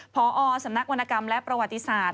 พอสำนักวรรณกรรมและประวัติศาสตร์